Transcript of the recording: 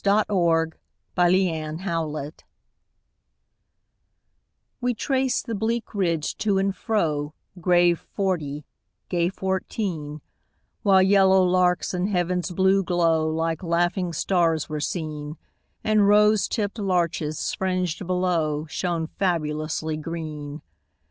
22 The Train of Life We traced the bleak ridge, to and fro, Grave forty, gay fourteen ; While yellow larks, in heaven's blue glow, Like laughing stars were seen, And rose tipp'd larches, fringed below, Shone fabulously green.